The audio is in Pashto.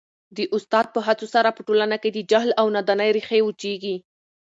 د استاد په هڅو سره په ټولنه کي د جهل او نادانۍ ریښې وچیږي.